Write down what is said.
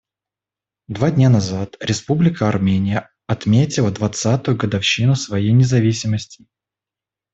Два дня назад Республика Армения отметила двадцатую годовщину своей независимости.